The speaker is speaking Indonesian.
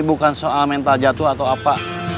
bukan soal mental jatuh atau apa